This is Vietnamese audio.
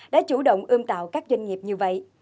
đã chủ động ươm tạo các doanh nghiệp như vậy